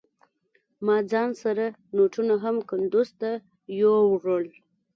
ما ځان سره نوټونه هم کندوز ته يوړل.